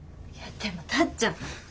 いやでもタッちゃん。